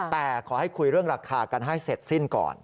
แต่ขอให้คุยเรื่องราคากันให้เสร็จสิ้นก่อน